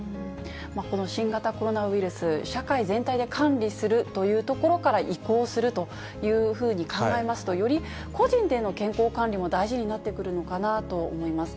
この新型コロナウイルス、社会全体で管理するというところから移行するというふうに考えますと、より個人での健康管理も大事になってくるのかなと思います。